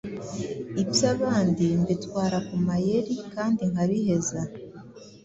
Ibyabandi mbitwara ku mayeri kandi nkabiheza.